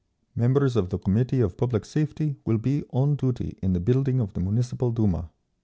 Members of the Committee of Public Safety will be on duty in the building of the Municipal Duma.